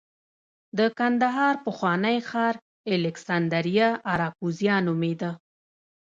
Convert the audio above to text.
د کندهار پخوانی ښار الکسندریه اراکوزیا نومېده